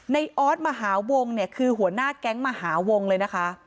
นายออสมหาวงคือหัวหน้าแก๊งก์มหาวงเลยนะคะ